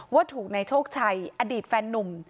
ว่าถูกนายโชคชัยอดีตแฟนนุ่ม